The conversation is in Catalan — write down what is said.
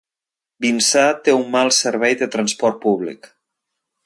Vinçà té un mal servei de transport públic.